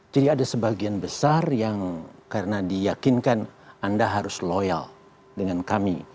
jadi ada sebagian besar yang karena diyakinkan anda harus loyal dengan kami